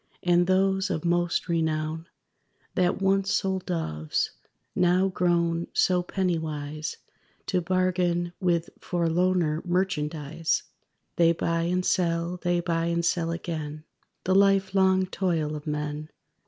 And those, of most renown, That once sold doves, now grown so pennywise To bargain with forlorner merchandise, They buy and sell, they buy and sell again, The life long toil of men.